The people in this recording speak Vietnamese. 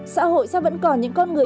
xã hội sao vẫn còn những con người